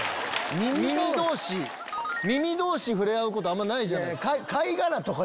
耳同士触れ合うことあんまないじゃないですか。